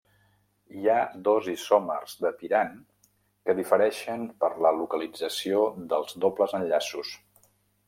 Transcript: Hi ha dos isòmers de piran que difereixen per la localització dels dobles enllaços.